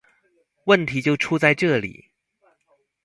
問題就出在這裡